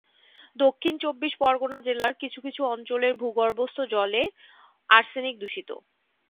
দক্ষিণ চব্বিশ পরগনা জেলার কিছু কিছু অঞ্চলের ভূগর্ভস্থ জলে আর্সেনিক-দূষিত।